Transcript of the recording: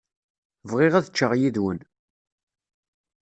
Bɣiɣ ad ččeɣ yid-wen.